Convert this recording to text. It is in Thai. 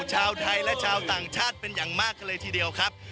ชาวไทยและชาวต่างชาติเป็นอย่างมากเลยทีเดียวครับ